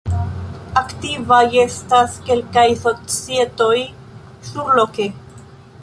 Aktivaj estas kelkaj societoj surloke.